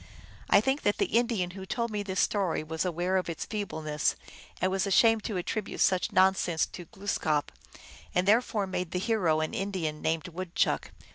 I think that the Indian who told me this story (P.) was aware of its feebleness, and was ashamed to attribute such nonsense to Glooskap, and therefore made the hero an Indian named Woodchuck.